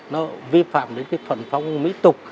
nó vi phạm đến cái phần phong mỹ tục